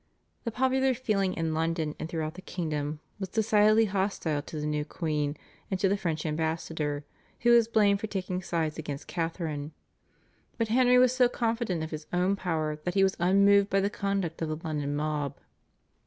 The popular feeling in London and throughout the kingdom was decidedly hostile to the new queen and to the French ambassador, who was blamed for taking sides against Catharine, but Henry was so confident of his own power that he was unmoved by the conduct of the London mob.